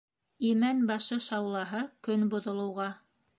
Имән башы шаулаһа, көн боҙолоуға.